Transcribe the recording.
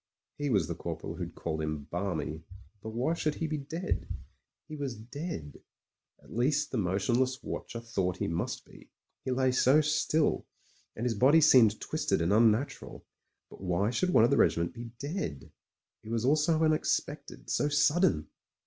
He was the corporal who'd called him balmy; but why should he be dead? He was dead — PRIVATE MEYRICK— COMPANY IDIOT 69 at least the motionless watcher thought he must be. He lay so still, and his body seemed twisted and un natural. But why should one of the regiment be dead ; it was all so unexpected, so sudden?